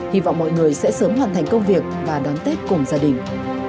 hy vọng mọi người sẽ sớm hoàn thành công việc và đón tết cùng gia đình